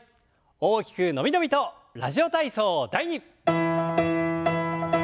大きく伸び伸びと「ラジオ体操第２」。